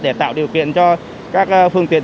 để tạo điều kiện cho các phương tiện